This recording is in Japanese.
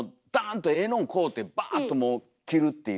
とええのん買うてバーッともう着るっていう。